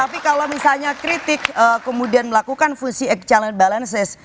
tetapi kalau misalnya kritik kemudian melakukan fungsi exchange balances